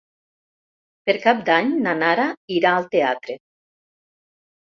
Per Cap d'Any na Nara irà al teatre.